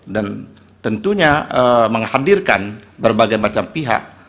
dan tentunya menghadirkan berbagai macam pihak